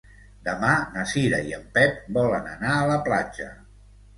Demà na Cira i en Pep volen anar a la platja.